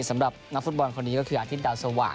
สำหรับนักฟุตบอลคนนี้ก็คืออาทิตดาวสว่าง